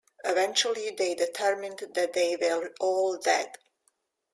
Eventually they determined that they were all dead.